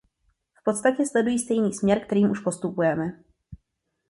V podstatě sledují stejný směr, kterým už postupujeme.